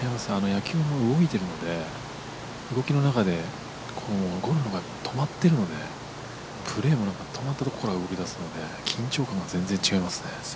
野球は動いているので動きの中でゴルフは止まってるのでプレーも何か止まったところから動き出すので緊張感が全然違いますね。